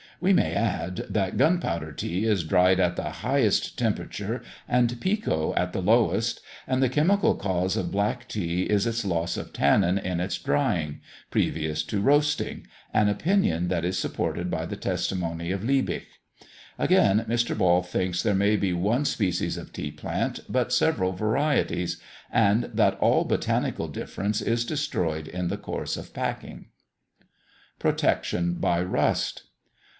We may add, that gunpowder tea is dried at the highest temperature, and pekoe at the lowest; and the chemical cause of black tea is its loss of tannin in its drying, previous to roasting, an opinion that is supported by the testimony of Liebig. Again, Mr. Ball thinks there may be one species of tea plant, but several varieties, and that all botanical difference is destroyed in the course of packing. PROTECTION BY RUST.